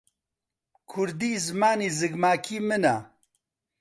کوردی زمانی زگماکیی منە.